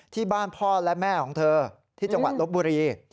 ที่บ้านพ่อและแม่ของเธอที่จังหวัดลบบุรี